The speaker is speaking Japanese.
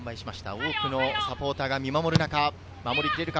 多くのサポーターが見守る中、守り切れるか？